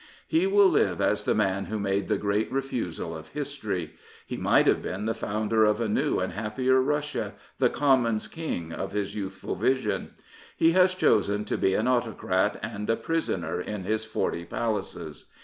He will live as the man who made the great refusal of history. He might have been the founder of a new and happier Russia — the Commons' King of his youthful vision. He has chosen to be an Autocrat and a prisoner in his forty palaces.